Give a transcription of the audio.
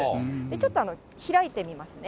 ちょっと開いてみますね。